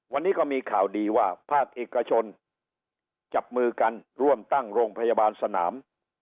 วันนี้ก็มีข่าวดีว่าภาคเอกชนจับมือกันร่วมตั้งโรงพยาบาลสนาม